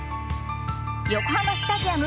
横浜スタジアム